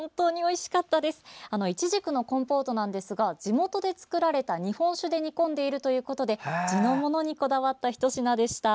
いちじくのコンポートなんですが地元で作られた日本酒で煮込んでいるということで地のものにこだわったひと品でした。